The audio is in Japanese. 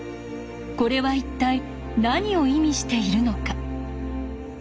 これは一体何を意味しているのか？